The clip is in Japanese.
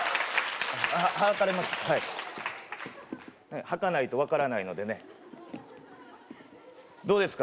はい履かないと分からないのでねどうですか？